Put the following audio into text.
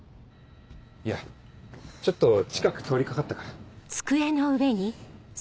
いやちょっと近く通り掛かったから。